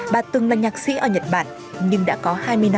bà từng là nhạc sĩ ở nhật bản nhưng đã có hai mươi năm trở thành